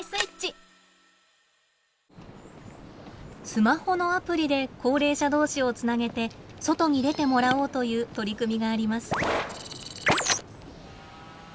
スマホのアプリで高齢者同士をつなげて外に出てもらおうという取り組みがあります。